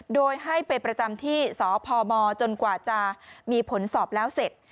โดยให้ไปประจำที่สพมจนกว่าจะมีผลสอบแล้วเสร็จ